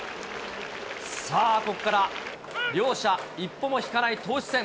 さあ、ここから両者一歩も引かない投手戦。